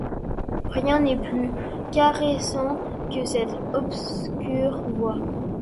Rien n'est plus caressant que cette obscure voix ;